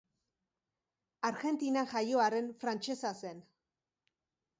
Argentinan jaio arren, frantsesa zen.